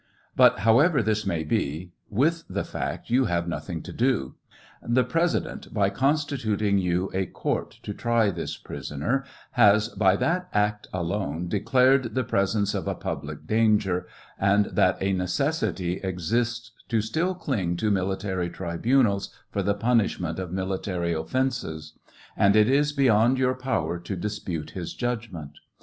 But, however this may be, with the fact you have nothing to do. The President, by constituting you a court to try this prisoner, has, by that act alone, declared the presence of a public danger, and that a necessity exists to still cling to military tribunals for the punishment of military offences ; and it is beyond your power to dispute his judgment.